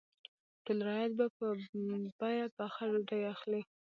ټول رعیت به په بیه پخه ډوډۍ اخلي.